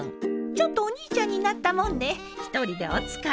ちょっとおにいちゃんになったもんで一人でお使い。